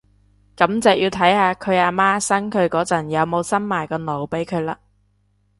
噉就要睇下佢阿媽生佢嗰陣有冇生埋個腦俾佢喇